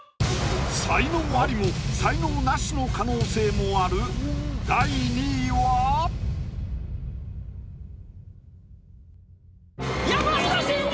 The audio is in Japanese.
才能アリも才能ナシの可能性もある山下真司！